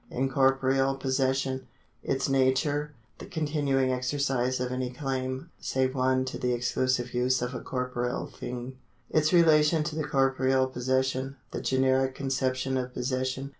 Incorporeal possession : Its nature — the continuing exercise of any claim, save one to the exclusive use of a corporeal thing. Its relation to corporeal possession. The generic conception of possession.